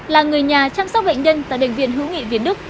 là người nhà chăm sóc bệnh nhân tại bệnh viện hữu nghị việt đức